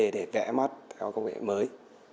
để vẽ mắt theo công nghệ mới